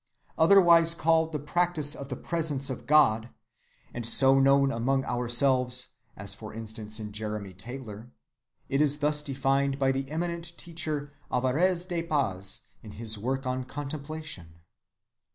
Otherwise called the practice of the presence of God (and so known among ourselves, as for instance in Jeremy Taylor), it is thus defined by the eminent teacher Alvarez de Paz in his work on Contemplation.